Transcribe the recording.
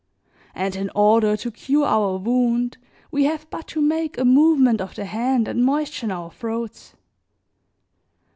And in order to cure our wound we have but to make a movement of the hand and moisten our throats.